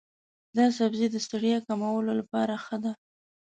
دا سبزی د ستړیا کمولو لپاره ښه دی.